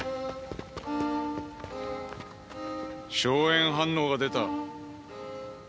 硝煙反応が出た。